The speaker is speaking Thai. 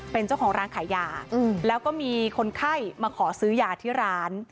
เป็นเจ้าของร้านขายยาแล้วก็มีคนไข้มาขอซื้อยาที่ร้าน